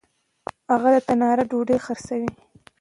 هغه د تنار ډوډۍ خرڅلاوه. .